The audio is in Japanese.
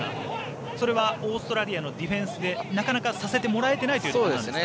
それはオーストラリアのディフェンスでなかなかさせてもらえていないというところですか。